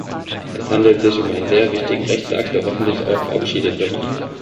Es handelt sich um einen sehr wichtigen Rechtsakt, der hoffentlich auch verabschiedet wird.